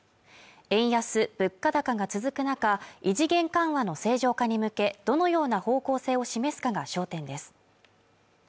円安・物価高が続く中、異次元緩和の正常化に向けどのような方向性を示すかが焦点です